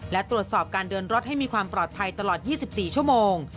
และตรวจสอบการเดินรถให้มีความปลอดภัยตลอด๒๔ชั่วโมง